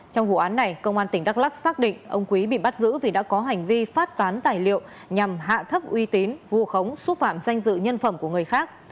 trong vụ án này công an tỉnh đắk lắc xác định ông quý bị bắt giữ vì đã có hành vi phát tán tài liệu nhằm hạ thấp uy tín vu khống xúc phạm danh dự nhân phẩm của người khác